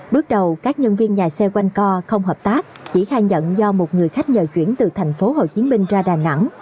bước đầu các nhân viên nhà xe quanh co không hợp tác chỉ khai nhận do một người khách nhờ chuyển từ tp hcm ra đà nẵng